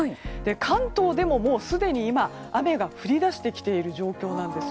関東でももうすでに今降り出してきている状況です。